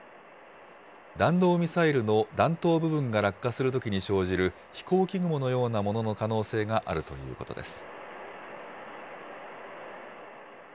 弾道ミサイルの弾頭部分が落下するときに生じる飛行機雲のようなものの可能性があるということです。